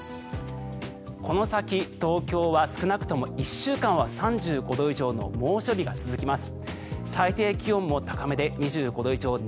この先、東京は少なくとも１週間は３５度以上の猛暑日が続きます。